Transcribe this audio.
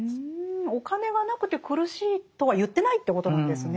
お金がなくて苦しいとは言ってないということなんですね。